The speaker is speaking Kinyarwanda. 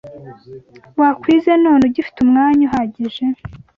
Wakwize none ugifite umwanya uhagije!